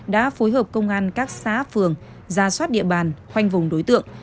đã phối hợp công an các xã phường gia soát điện bàn khoanh vùng đối tượng